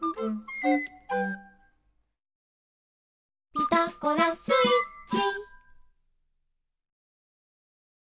「ピタゴラスイッチ」